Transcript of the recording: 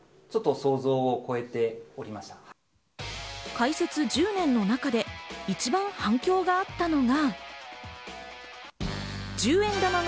開設１０年の中で、一番反響があったのは。